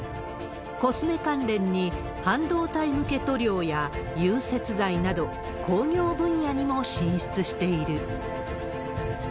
コスメ関連に半導体向け塗料や融雪剤など、工業分野にも進出している。